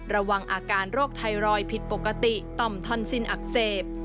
ระวังอาการโรคไทรอยด์ผิดปกติต่อมทอนซินอักเสบ